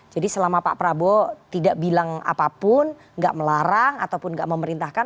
jadi selama pak prabowo tidak bilang apapun gak melarang ataupun gak memerintahkan